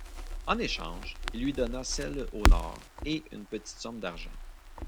En échange, il lui donna celles au nord et une petite somme d'argent.